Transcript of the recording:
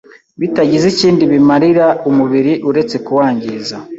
bitagize ikindi bimarira umubiri uretse kuwangiza